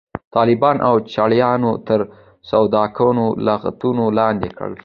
طالبانو او چړیانو تر سوکانو او لغتو لاندې کړ.